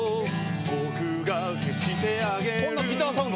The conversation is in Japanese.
僕が消してあげる」